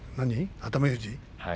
熱海富士？